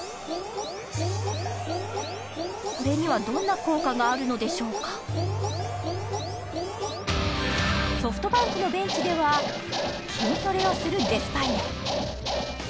これにはどんな効果があるのでしょうかソフトバンクのベンチでは筋トレをするデスパイネ